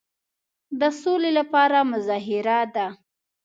د سولي لپاره مظاهره ده.